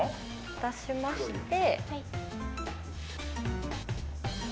足しまして。